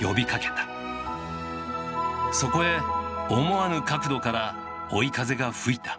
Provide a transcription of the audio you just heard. そこへ思わぬ角度から追い風が吹いた。